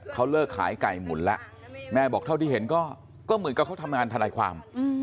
เขาเลิกขายไก่หมุนแล้วแม่บอกเท่าที่เห็นก็เหมือนกับเขาทำงานทนายความ